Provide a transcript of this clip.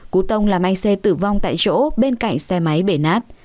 cú tông làm anh xe tử vong tại chỗ bên cạnh xe máy bể nát